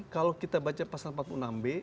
kalau kita baca pasal empat puluh enam b